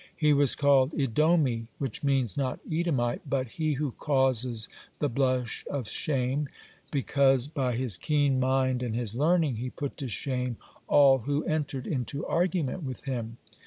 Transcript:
He was called Edomi, which means, not Edomite, but "he who causes the blush of shame," because by his keen mind and his learning he put to shame all who entered into argument with him.